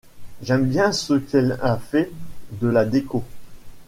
J’aime bien ce qu’elle a fait de la déco.